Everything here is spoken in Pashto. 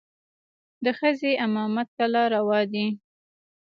د ښځې امامت کله روا دى.